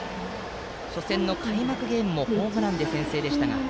初戦の開幕ゲームもホームランで先制でした。